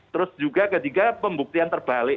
terus juga ketiga pembuktian terbalik